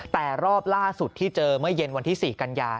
แต่รอบล่าสุดที่เจอเมื่อเย็นวันที่๔กันยา